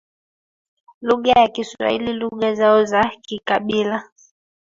lugha ya kiswahili lugha zao za kikabila